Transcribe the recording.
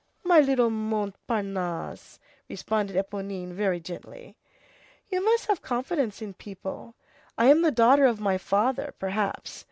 "My little Montparnasse," responded Éponine very gently, "you must have confidence in people. I am the daughter of my father, perhaps.